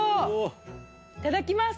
いただきます！